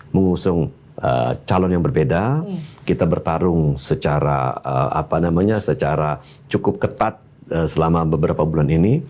mengusung calon yang berbeda kita bertarung secara cukup ketat selama beberapa bulan ini